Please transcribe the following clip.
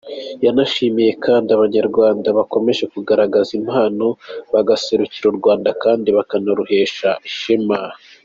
Yanashimiye kandi Abanyarwanda bakomeje kugaragaza impano bagaserukira u Rwanda kandi bakaruhesha ishema.